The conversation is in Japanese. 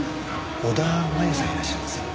小田麻衣さんいらっしゃいます？